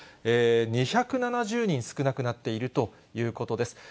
２７０人少なくなっているということです。